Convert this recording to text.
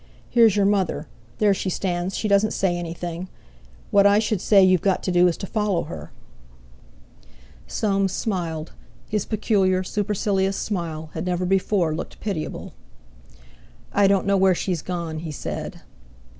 Here's your mother, there she stands; she doesn't say anything. What I should say you've got to do is to follow her.." Soames smiled; his peculiar, supercilious smile had never before looked pitiable. "I don't know where she's gone," he said.